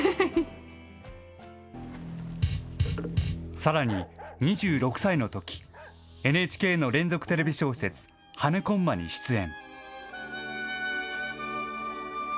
さらに２６歳のとき、ＮＨＫの連続テレビ小説、はね駒に出演。